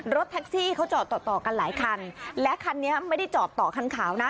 รถแท็กซี่เขาจอดต่อต่อกันหลายคันและคันนี้ไม่ได้จอดต่อคันขาวนะ